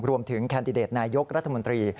รวมถึงแคนดิเดตนายกรัฐมนตรี